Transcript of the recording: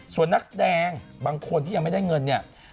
ส่วนนักแสดงบางคนที่ยังไม่ได้เงินเนี่ย